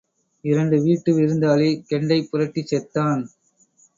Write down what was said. இரண்டு வீட்டு விருந்தாளி கெண்டை புரட்டிச் செத்தான்.